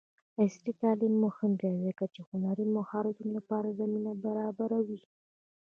عصري تعلیم مهم دی ځکه چې د هنري مهارتونو لپاره زمینه برابروي.